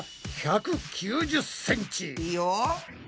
いいよ。